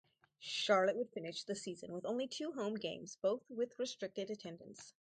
Charlotte would finish the season with only two home games both with restricted attendance.